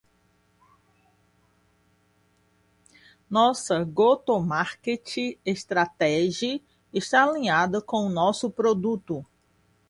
Nossa go-to-market strategy está alinhada com nosso produto.